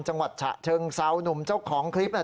จังหวัดฉะเชิงเซาหนุ่มเจ้าของคลิปน่ะ